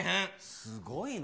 すごいな。